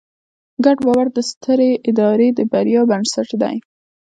ګډ باور د سترې ادارې د بریا بنسټ دی.